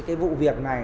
cái vụ việc này